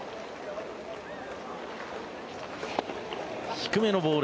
低めのボール。